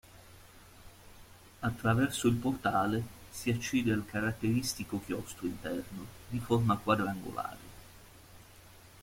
Attraverso il portale si accede al caratteristico chiostro interno di forma quadrangolare.